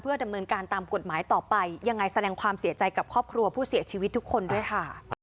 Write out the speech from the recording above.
ดำเนินการตามกฎหมายต่อไปยังไงแสดงความเสียใจกับครอบครัวผู้เสียชีวิตทุกคนด้วยค่ะ